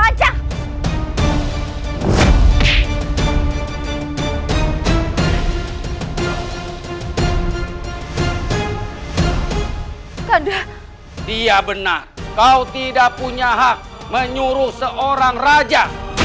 aduh dia benar kau tidak punya hak menyuruh seorang raja